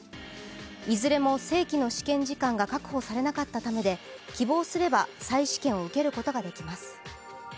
いずれも正規の試験時間が確保されなかったためで希望すれば再試験を受けることができます。